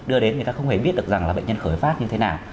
đưa đến người ta không hề biết được rằng là bệnh nhân khởi phát như thế nào